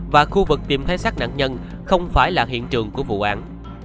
và khu vực tìm thấy sát nạn nhân không phải là hiện trường của vụ án